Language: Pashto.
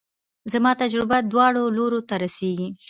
زما تجربه دواړو لورو ته رسېږي.